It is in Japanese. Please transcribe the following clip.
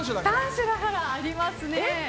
３種だからありますね。